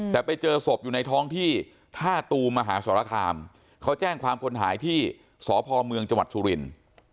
แต่ไปเจอศพอยู่ในท้องที่ท่าตูมมหาสรคามเขาแจ้งความคนหายที่สพเมืองจังหวัดสุรินทร์